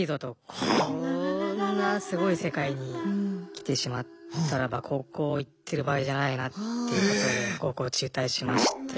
こんなすごい世界に来てしまったらば高校行ってる場合じゃないなっていうことで高校を中退しまして。